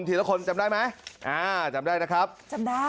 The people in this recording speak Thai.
ทีละคนจำได้ไหมอ่าจำได้นะครับจำได้